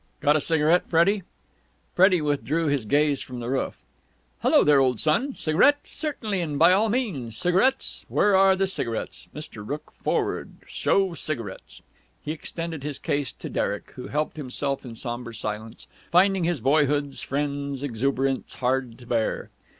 "Got a cigarette, Freddie?" Freddie withdrew his gaze from the roof. "Hullo, old son! Cigarette? Certainly and by all means. Cigarettes? Where are the cigarettes? Mr. Rooke, forward! Show cigarettes." He extended his case to Derek, who helped himself in sombre silence, finding his boyhood's friend's exuberance hard to bear.